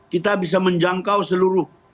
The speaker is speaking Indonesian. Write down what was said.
kita bisa menjangkau seluruh